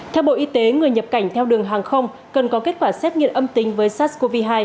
theo bộ y tế người nhập cảnh theo đường hàng không cần có kết quả xét nghiệm âm tính với sars cov hai